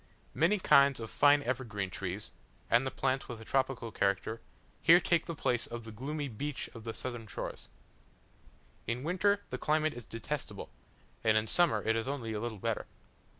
Many kinds of fine evergreen trees, and plants with a tropical character, here take the place of the gloomy beech of the southern shores. In winter the climate is detestable, and in summer it is only a little better.